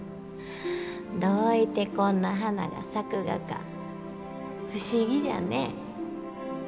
どういてこんな花が咲くがか不思議じゃね。